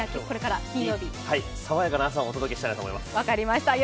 爽やかな朝をお届けしたいなと思います。